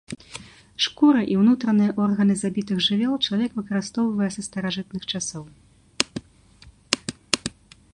Шкуры і ўнутраныя органы забітых жывёл чалавек выкарыстоўвае з старажытных часоў.